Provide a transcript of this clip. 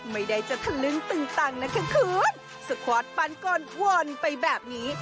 ไม่ได้จะทะลึงตึงตังนะคะคุณสควอตฟันก่อนวนไปแบบนี้